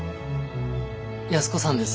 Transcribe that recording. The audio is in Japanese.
安子さんです。